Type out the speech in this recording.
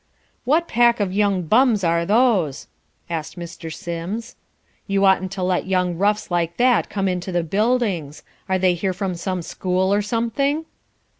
"What pack of young bums are those?" asked Mr. Sims. "You oughtn't to let young roughs like that come into the buildings. Are they here from some school or something?"